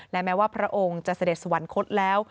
และแม้ว่าพระองค์จะเสด็จสวรรคตแล้ว